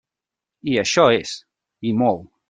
I això és, i molt.